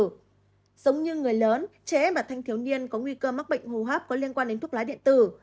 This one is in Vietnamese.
giống như người lớn trẻ em và thanh thiếu niên có nguy cơ mắc bệnh hô hấp có liên quan đến thuốc lá điện tử